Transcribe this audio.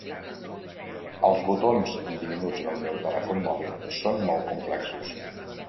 Els botons diminuts del meu telèfon mòbil són molt complexos.